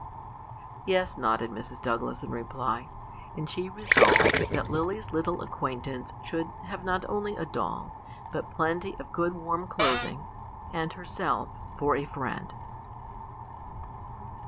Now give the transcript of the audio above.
'" "Yes," nodded Mrs. Douglas, in reply; and she resolved that Lily's little acquaintance should have not only a doll, but plenty of good warm clothing, and herself for a friend.